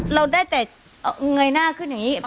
เราได้แต่เงยหน้าขึ้นอย่างนี้